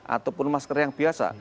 ataupun masker yang biasa